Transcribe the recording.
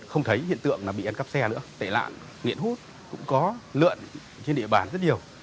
không thấy hiện tượng là bị ăn cắp xe nữa tệ lạng ngện hút cũng có lượn trên địa bàn rất nhiều